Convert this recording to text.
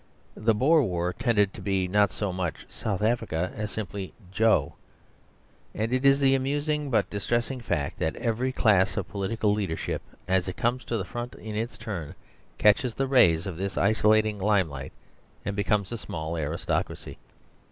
The Boer War tended not to be so much South Africa as simply "Joe." And it is the amusing but distressing fact that every class of political leadership, as it comes to the front in its turn, catches the rays of this isolating lime light; and becomes a small aristocracy.